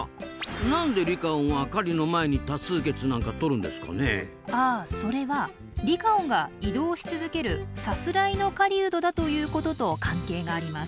何でリカオンはそれはリカオンが移動し続けるさすらいの狩人だということと関係があります。